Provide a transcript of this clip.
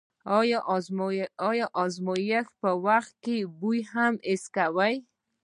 آیا د ازمایښت په وخت کې بوی هم حس کوئ؟